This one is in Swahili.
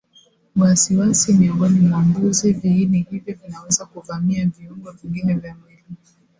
wasiwasi Miongoni mwa mbuzi viini hivyo vinaweza kuvamia viungo vingine vya mwili